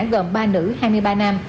gồm ba nữ hai mươi ba nam